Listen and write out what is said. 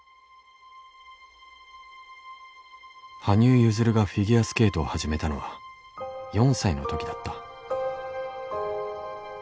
羽生結弦がフィギュアスケートを始めたのは４歳の時だった。